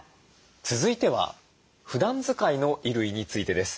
続いてはふだん使いの衣類についてです。